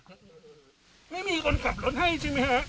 ไม่มีคนขับรถให้ใช่ไหมฮะ